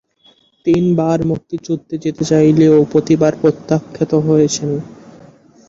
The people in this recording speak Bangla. তিনবার মুক্তিযুদ্ধে যেতে চাইলেও প্রতিবার প্রত্যাখ্যাত হয়েছেন।